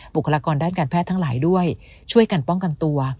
คลากรด้านการแพทย์ทั้งหลายด้วยช่วยกันป้องกันตัว